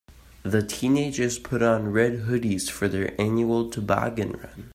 The teenagers put on red hoodies for their annual toboggan run.